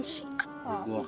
bapak ini siapa